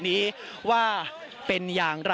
ไม่ทราบว่าตอนนี้มีการถูกยิงด้วยหรือเปล่านะครับ